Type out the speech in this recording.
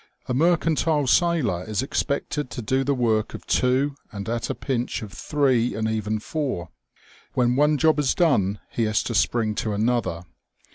A mercantile sailor is expected to do the work of two, and at a pinch of three, and even four. When one job is done he has to spring to another.